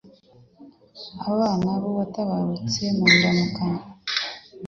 abana b'uwatabarutse Mu ndamukanyo